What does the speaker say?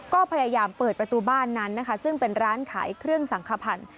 ก็พยายามเปิดประตูบ้านนั้นนะคะซึ่งเป็นร้านขายเครื่องสังขพันธ์